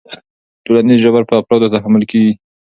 ټولنیز جبر په افرادو تحمیل کېږي.